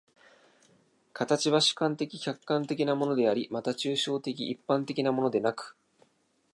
形は主観的・客観的なものであり、また抽象的一般的なものでなく、